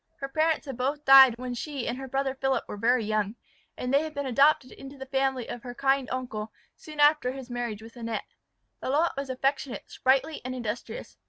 Her parents had both died when she and her brother Philip were very young, and they had been adopted into the family of her kind uncle soon after his marriage with Annette. Lalotte was affectionate, sprightly, and industrious.